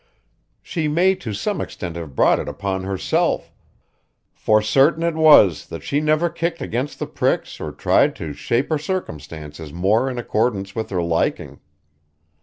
She may to some extent have brought it upon herself, for certain it was that she never kicked against the pricks or tried to shape her circumstances more in accordance with her liking.